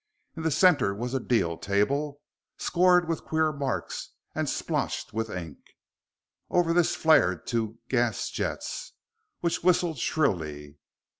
In the centre was a deal table, scored with queer marks and splotched with ink. Over this flared two gas jets, which whistled shrilly.